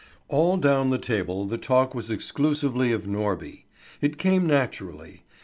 All down the table the talk was exclusively of Norby. It came naturally.